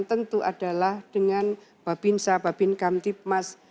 dan tentu adalah dengan bapin shah bapin kamtip mas